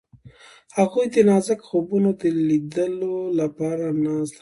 هغوی د نازک خوبونو د لیدلو لپاره ناست هم وو.